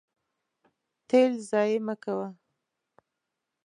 تیل ضایع مه کوه.